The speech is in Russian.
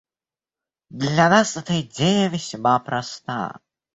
Для нас эта идея весьма проста.